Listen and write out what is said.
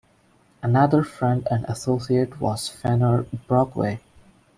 Another friend and associate was Fenner Brockway.